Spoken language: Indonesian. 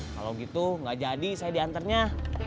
kalau gitu nggak jadi saya diantarnya